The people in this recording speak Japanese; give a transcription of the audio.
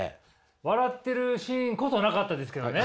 笑ってるシーンこそなかったですけどね。